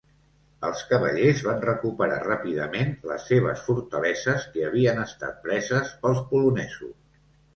Els cavallers van recuperar ràpidament les seves fortaleses que havien estat preses pels polonesos.